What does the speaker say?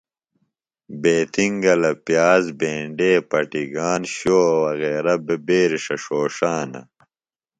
بیتِنگلہ، پِیاز بینڈے پٹِگان شوؤہ وغیرہ بےۡ بیرݜہ ݜوݜانہ۔